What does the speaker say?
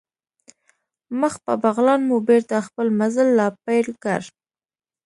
مخ په بغلان مو بېرته خپل مزل را پیل کړ.